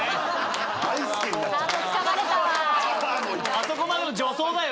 あそこまでの助走だよ